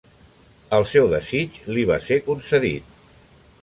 El seu desig li va ser concedit.